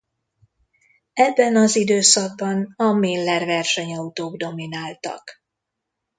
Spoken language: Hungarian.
Ebben az időszakban a Miller versenyautók domináltak.